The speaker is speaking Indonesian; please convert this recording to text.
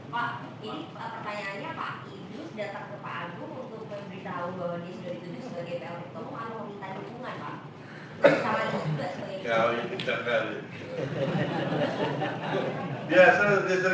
pak ini pertanyaannya pak idus datang ke pak agus untuk memberitahu bahwa dia sudah dituduh sebagai plp